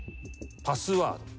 パスワード。